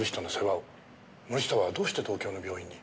森下はどうして東京の病院に？